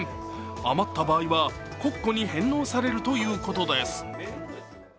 余った場合は国庫に返納されるということです